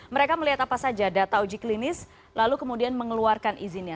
mereka melihat apa saja data uji klinis lalu kemudian mengeluarkan izinnya